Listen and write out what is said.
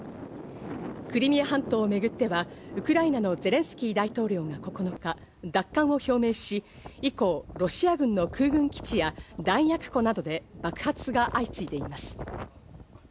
クリミア半島をめぐってはウクライナのゼレンスキー大統領が９日、奪還を表明し、以降ロシア軍の空軍基地や弾薬庫などで爆発が相次いでいます。